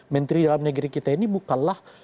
menteri dalam negeri kita ini bukanlah